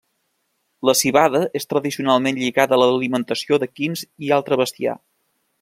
La civada és tradicionalment lligada a l'alimentació d'equins i altre bestiar.